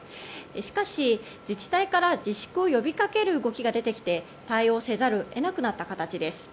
しかし、自治体から自粛を呼びかける動きが出てきて、対応せざるを得なくなった形です。